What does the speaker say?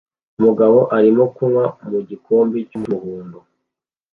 Umugabo arimo kunywa mu gikombe cy'umuhondo